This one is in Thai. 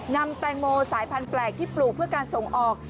นำแตงโมสายพันธุแปลกที่ปลูกเพื่อการส่งออก